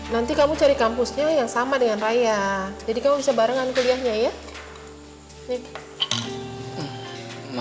nanti kamu cari kampusnya yang sama dengan raya jadi kamu bisa barengan kuliahnya ya